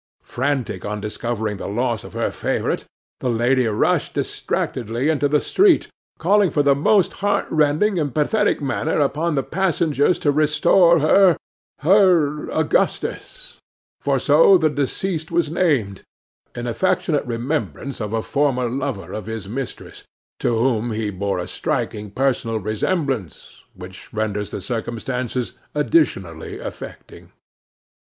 Frantic on discovering the loss of her favourite, the lady rushed distractedly into the street, calling in the most heart rending and pathetic manner upon the passengers to restore her, her Augustus,—for so the deceased was named, in affectionate remembrance of a former lover of his mistress, to whom he bore a striking personal resemblance, which renders the circumstances additionally affecting.